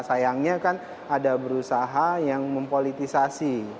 sayangnya kan ada berusaha yang mempolitisasi